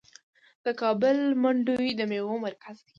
د کابل منډوي د میوو مرکز دی.